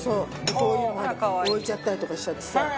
こういう置いちゃったりとかしちゃってさ。